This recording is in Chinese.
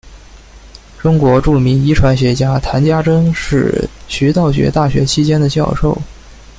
中国著名遗传学家谈家桢是徐道觉大学期间的教授。